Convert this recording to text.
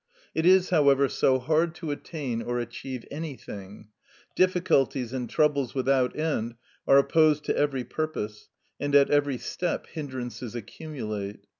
It is, however, so hard to attain or achieve anything; difficulties and troubles without end are opposed to every purpose, and at every step hindrances accumulate.